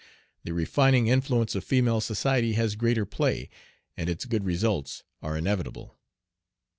The refining influence of female society has greater play, and its good results are inevitable.